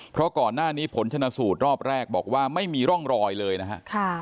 เพราะก่อนหน้านี้ผลชนะสูตรรอบแรกบอกว่าไม่มีร่องรอยเลยนะฮะ